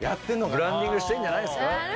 ブランディングしてんじゃないですか。